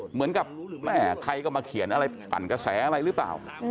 เหมือนกับแม่ใครก็มาเขียนอะไรปั่นกระแสอะไรหรือเปล่า